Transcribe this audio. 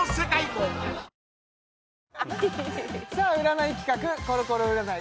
占い企画コロコロ占い